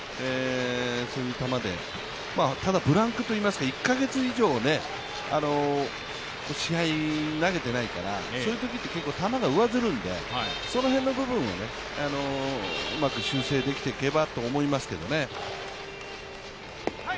そういう球で、ただブランクといいますか、１カ月以上試合で投げてないからそういうときって、結構球が上ずるので、その辺をうまく修正できていけばと思いますけどね。